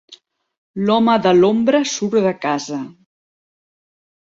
L'home de l'ombra surt de casa.